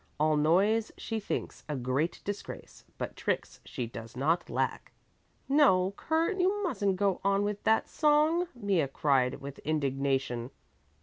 All noise she thinks a great disgrace, But tricks she does not lack. "No, Kurt, you mustn't go on with that song," Mea cried with indignation.